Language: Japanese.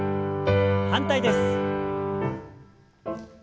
反対です。